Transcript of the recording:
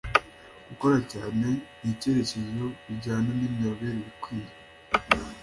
gukora cyane n’icyerekezo bijyana n’imiyoborere ikwiye